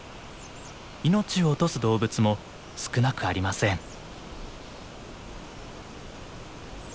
命を落とす動物も少なくありません。